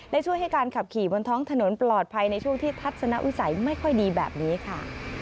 และช่วยให้การขับขี่บนท้องถนนปลอดภัยในช่วงที่ทัศนวิสัยไม่ค่อยดีแบบนี้ค่ะ